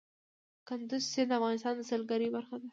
کندز سیند د افغانستان د سیلګرۍ برخه ده.